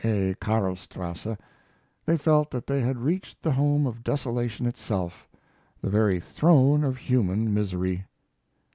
1a, Karlstrasse, they felt that they had reached the home of desolation itself, the very throne of human misery.